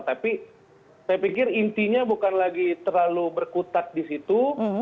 tapi saya pikir intinya bukan lagi terlalu berkutat di situ